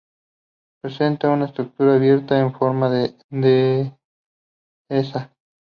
Presenta una estructura abierta, en forma de dehesa.